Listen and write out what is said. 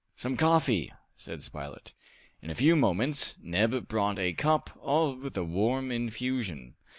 "Some coffee!" said Spilett. In a few moments Neb brought a cup of the warm infusion.